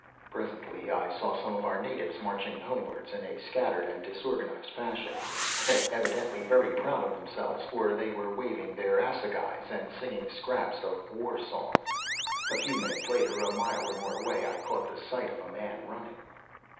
"Presently I saw some of our natives marching homewards in a scattered and disorganised fashion, but evidently very proud of themselves, for they were waving their assegais and singing scraps of war songs. A few minutes later, a mile or more away, I caught sight of a man running.